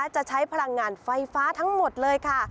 จะใช้พลังงานไฟฟ้าทั้งหมดเลยค่ะ